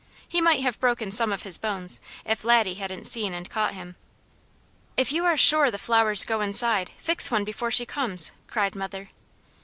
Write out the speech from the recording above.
He might have broken some of his bones, if Laddie hadn't seen and caught him. "If you are SURE the flowers go inside, fix one before she comes!" cried mother.